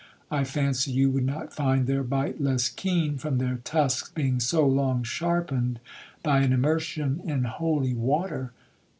I fancy you would not find their bite less keen, from their tusks being so long sharpened by an immersion in holy water.'